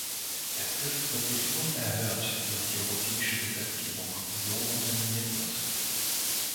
Es ist wirklich unerhört, dass die europäische Gesetzgebung so unterminiert wird.